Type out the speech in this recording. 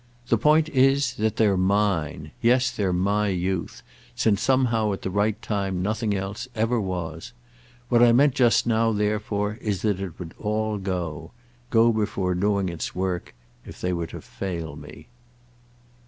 The point is that they're mine. Yes, they're my youth; since somehow at the right time nothing else ever was. What I meant just now therefore is that it would all go—go before doing its work—if they were to fail me."